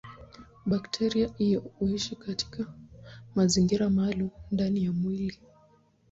Bakteria hiyo huishi katika mazingira maalumu ndani ya mwili.